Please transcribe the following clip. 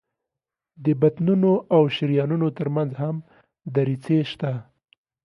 د بطنونو او شریانونو تر منځ هم دریڅې شته.